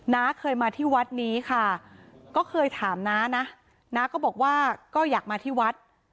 ้าเคยมาที่วัดนี้ค่ะก็เคยถามน้านะน้าก็บอกว่าก็อยากมาที่วัด